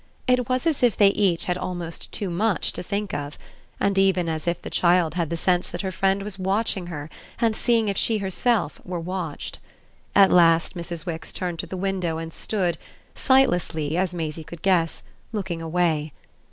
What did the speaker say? It was as if they each had almost too much to think of, and even as if the child had the sense that her friend was watching her and seeing if she herself were watched. At last Mrs. Wix turned to the window and stood sightlessly, as Maisie could guess looking away.